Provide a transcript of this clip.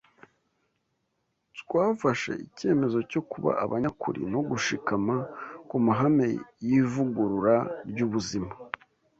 Twafashe icyemezo cyo kuba abanyakuri no gushikama ku mahame y’ivugurura ry’ubuzima